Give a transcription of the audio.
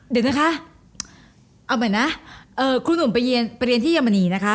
เดี๋ยวนะคะเอาใหม่นะครูหนุ่มไปเรียนที่เยอรมนีนะคะ